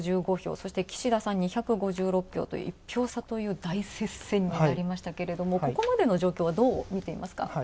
そして岸田さん２５６票という１票差という大接戦に入りましたけれどもここまでの状況はどう見ていますか？